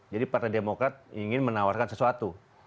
jadi partai demokrat ingin menawarkan sesuatu